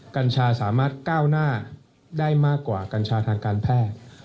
กัญชาสามารถก้าวหน้าได้มากกว่ากัญชาทางการแพทย์